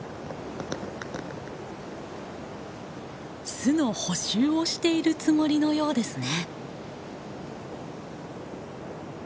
巣の補修をしているつもりのようですね。